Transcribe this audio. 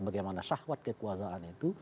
bagaimana syahwat kekuasaan itu